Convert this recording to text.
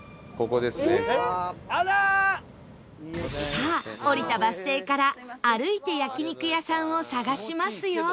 さあ降りたバス停から歩いて焼肉屋さんを探しますよ